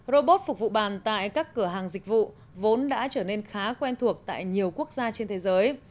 robot phục vụ bàn tại các cửa hàng dịch vụ vốn đã trở nên khá quen thuộc tại nhiều quốc gia trên thế giới